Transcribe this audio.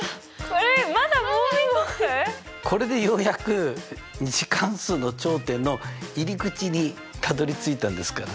これでようやく２次関数の頂点の入り口にたどりついたんですから。